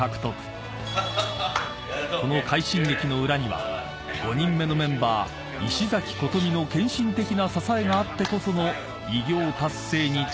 ［この快進撃の裏には５人目のメンバー石崎琴美の献身的な支えがあってこその偉業達成に違いない］